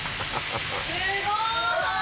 すごい！